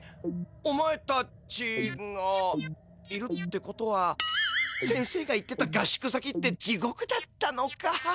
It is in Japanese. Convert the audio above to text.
お前たちがいるってことは先生が言ってた合宿先って地獄だったのか。